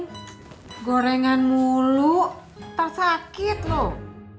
makan gorengan mulu tersakit loh